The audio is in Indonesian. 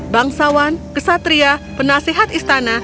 bangsawan kesatria penasehat istana